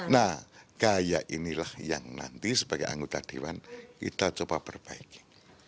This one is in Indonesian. nah gaya inilah yang nanti sebagai anggota dewan kita coba perbaiki